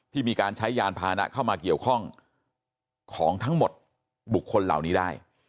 มีการใช้ยานพานะเข้ามาเกี่ยวข้องของทั้งหมดบุคคลเหล่านี้ได้